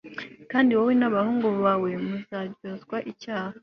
kandi wowe n abahungu bawe muzaryozwa icyaha